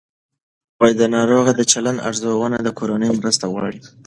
د ناروغ د چلند ارزونه د کورنۍ مرسته غواړي.